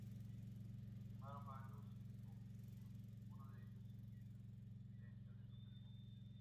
Se quemaron varios ómnibus, uno de ellos frente al Ministerio de Educación.